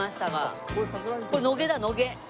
これ野毛だ野毛。